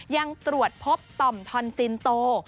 ยังตรวจพบต่อมทอนซินโต